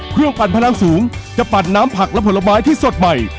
ปั่นพลังสูงจะปั่นน้ำผักและผลไม้ที่สดใหม่